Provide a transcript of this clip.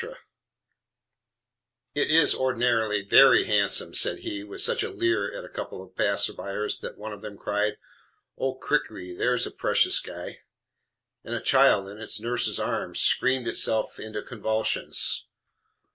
"It is ordinarily VERY handsome," said he, with such a leer at a couple of passers by, that one of them cried, "Oh, crickey, here's a precious guy!" and a child, in its nurse's arms, screamed itself into convulsions.